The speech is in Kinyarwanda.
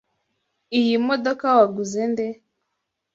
Iyi modoka waguze nde?